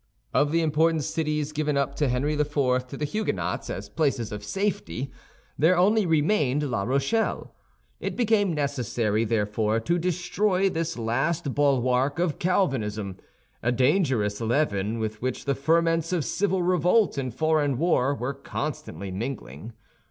Of the important cities given up by Henry IV. to the Huguenots as places of safety, there only remained La Rochelle. It became necessary, therefore, to destroy this last bulwark of Calvinism—a dangerous leaven with which the ferments of civil revolt and foreign war were constantly mingling.